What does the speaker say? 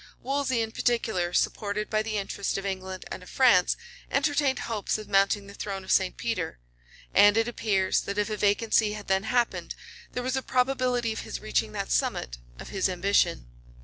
Wolsey, in particular, supported by the interest of England and of France, entertained hopes of mounting the throne of St. Peter;[] and it appears, that if a vacancy had then happened, there was a probability of his reaching that summit of his ambition.